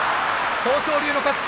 豊昇龍の勝ち。